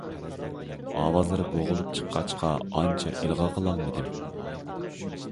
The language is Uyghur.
ئاۋازلىرى بوغۇلۇپ چىققاچقا ئانچە ئىلغا قىلالمىدىم.